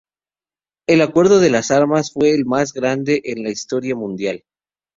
El acuerdo de armas fue el más grande en la historia mundial.